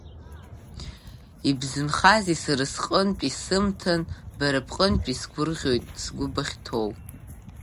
Ибзынхазеи сара сҟынтә исымҭан, бара бҟынтәи сгәырӷьоит сгәы бахьҭоу.